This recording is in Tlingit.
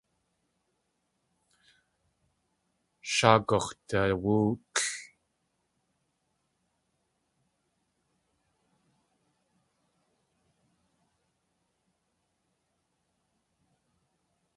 Sháa gux̲dawóotl.